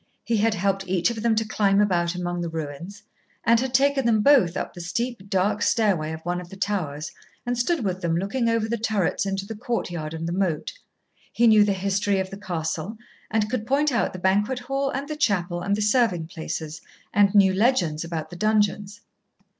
He had helped each of them to climb about among the ruins, and had taken them both up the steep, dark stairway of one of the towers, and stood with them looking over the turrets into the courtyard and the moat. He knew the history of the castle and could point out the banquet hall and the chapel and the serving places, and knew legends about the dungeons.